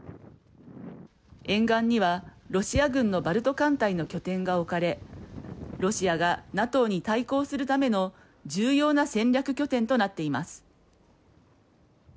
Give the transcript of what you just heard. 沿岸にはロシア軍のバルト艦隊の拠点が置かれロシアがＮＡＴＯに対抗するための重要な戦略拠点となっています。